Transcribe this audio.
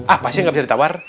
ah pasti gak bisa ditawar